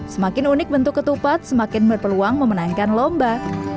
semakin unik bentuk ketupat semakin berpeluang memenangkan lomba